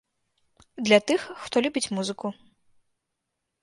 Для тых, хто любіць музыку.